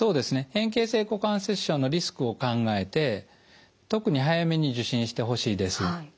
変形性股関節症のリスクを考えて特に早めに受診してほしいです。